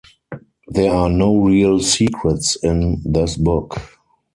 There are no real secrets in this book.